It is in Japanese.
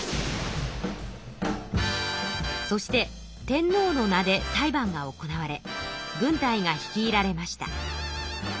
そして天皇の名で裁判が行われ軍隊が率いられました。